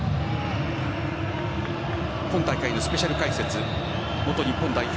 今大会のスペシャル解説元日本代表